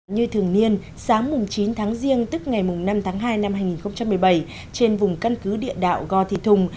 như thường niên sáng chín tháng riêng tức ngày năm tháng hai năm hai nghìn một mươi bảy trên vùng căn cứ địa đạo go thị thùng